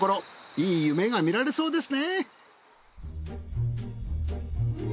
いい夢が見られそうですね。